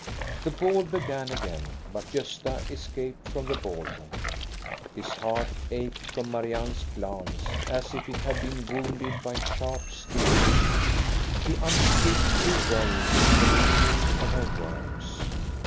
The ball began again, but Gosta escaped from the ballroom. His heart ached from Marianne's glance, as if it had been wounded by sharp steel. He understood too well the meaning of her words.